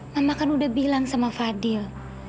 mama kan udah bilang sama fadil